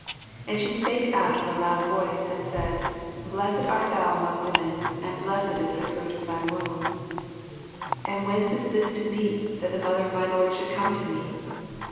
42 And she spake out with a loud Toice, and said, Blessed art thou among women, and blessed is the fruit of thy womb. 48 And whence U this to me, that the mother of my Lord should come tome?